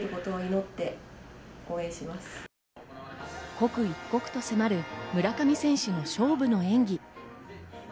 刻一刻と迫る村上選手の勝負の演技。